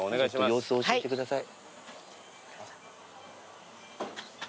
様子を教えてください。